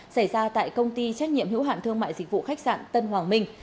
xảy ra tại công ty trách nhiệm hữu hạn thương mại dịch vụ khách sạn tân hoàng minh